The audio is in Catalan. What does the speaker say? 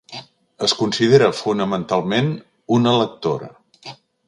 Es considera fonamentalment una lectora.